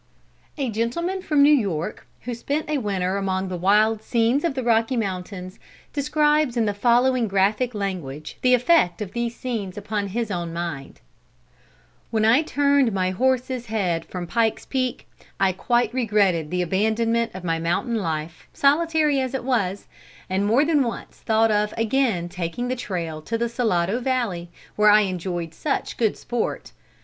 A gentleman from New York, who spent a winter among the wild scenes of the Rocky Mountains, describes in the following graphic language, the effect of these scenes upon his own mind: "When I turned my horse's head from Pikes Peak, I quite regretted the abandonment of my mountain life, solitary as it was, and more than once thought of again taking the trail to the Salado Valley, where I enjoyed such good sport.